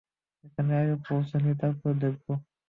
ওখানে আগে পৌঁছে নিই, তারপর দেখবো।